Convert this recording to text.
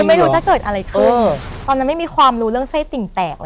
ไม่รู้จะเกิดอะไรขึ้นตอนนั้นไม่มีความรู้เรื่องไส้ติ่งแตกเลย